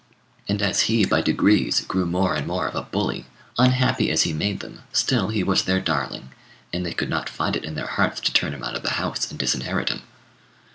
And as he by degrees grew more and more of a bully, unhappy as he made them, still he was their darling, and they could not find it in their hearts to turn him out of the house and disinherit him.